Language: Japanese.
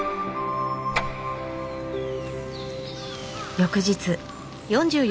翌日。